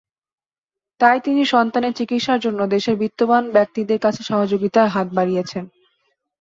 তাই তিনি সন্তানের চিকিৎসার জন্য দেশের বিত্তবান ব্যক্তিদের কাছে সহযোগিতার হাত বাড়িয়েছেন।